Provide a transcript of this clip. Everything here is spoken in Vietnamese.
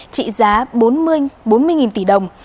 trị giá bốn mươi tỷ đồng